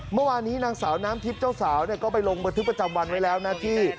เมื่อวานนี้นางสาวน้ำทิพย์เจ้าสาวก็ไปลงบันทึกประจำวันไว้แล้วนะที่